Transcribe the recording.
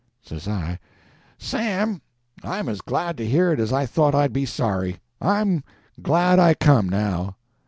Says I— "Sam, I'm as glad to hear it as I thought I'd be sorry. I'm glad I come, now."